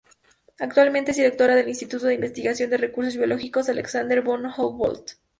Actualmente es directora del Instituto de Investigación de Recursos Biológicos Alexander von Humboldt.